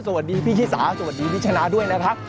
สวัสดีพี่ชิสาสวัสดีพี่ชนะด้วยนะครับ